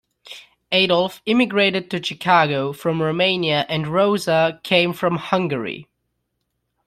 Adolph immigrated to Chicago from Romania and Rosa came from Hungary.